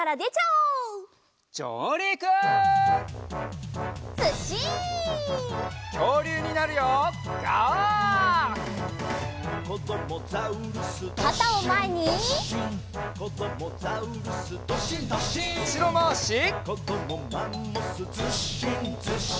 うしろまわし。